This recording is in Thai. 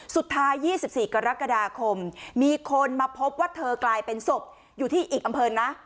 สุดท้าย๒๔กรกฎาคมมีคนมาพบว่าเธอกลายเป็นศพอยู่ที่อีกอำเภอนะ